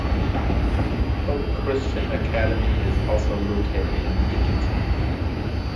Hope Christian Academy is also located in Dickinson.